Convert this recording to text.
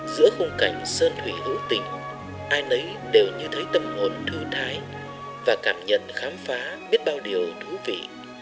giữa khung cảnh sơn thủy hữu tình ai nấy đều như thấy tâm hồn thư thái và cảm nhận khám phá biết bao điều thú vị